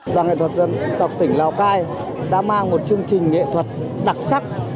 và nghệ thuật dân tộc tỉnh lào cai đã mang một chương trình nghệ thuật đặc sắc